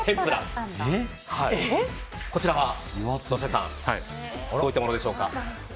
こちらは、野瀬さんどういったものでしょうか。